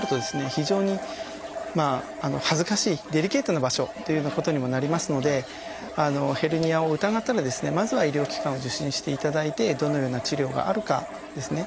非常に恥ずかしいデリケートな場所っていうようなことにもなりますのでヘルニアを疑ったらですねまずは医療機関を受診していただいてどのような治療があるかですね